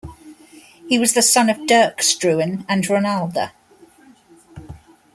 He was the son of Dirk Struan and Ronalda.